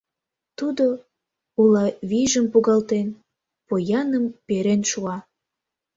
Тудо, уло вийжым погалтен, пояным перен шуа.